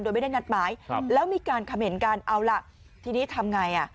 โดยไม่ได้งัดหมายแล้วมีการคำเห็นการเอาล่ะทีนี้ทำไงอ่ะ